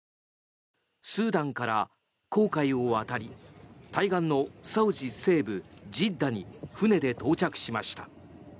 スーダンから紅海を渡り対岸のサウジ西部ジッダに船で到着しました。